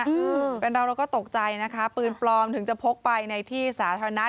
อืมเป็นเราเราก็ตกใจนะคะปืนปลอมถึงจะพกไปในที่สาธารณะ